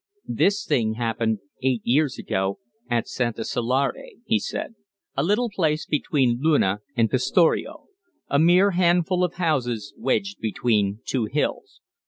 "This thing happened eight years ago at Santasalare," he said, "a little place between Luna and Pistoria a mere handful of houses wedged between two hills.